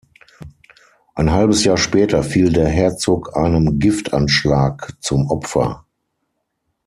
Ein halbes Jahr später fiel der Herzog einem Giftanschlag zum Opfer.